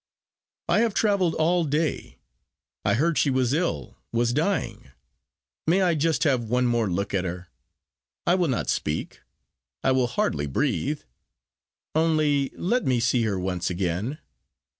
"I have travelled all day. I heard she was ill was dying. May I just have one more look at her? I will not speak; I will hardly breathe. Only let me see her once again!"